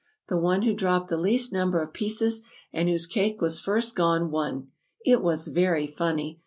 The one who dropped the least number of pieces, and whose cake was first gone, won. It was very funny!